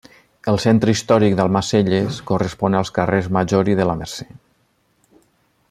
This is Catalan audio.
El centre històric d'Almacelles correspon als carrers Major i de la Mercè.